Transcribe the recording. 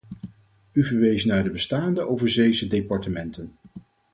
U verwees naar de bestaande overzeese departementen.